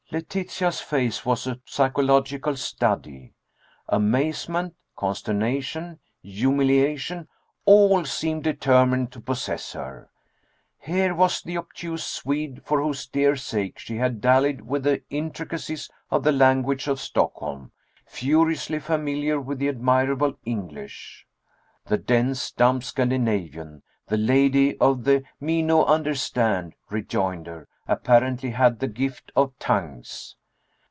Letitia's face was a psychological study. Amazement, consternation, humiliation all seemed determined to possess her. Here was the obtuse Swede, for whose dear sake she had dallied with the intricacies of the language of Stockholm, furiously familiar with admirable English! The dense, dumb Scandinavian the lady of the "me no understand" rejoinder apparently had the "gift of tongues."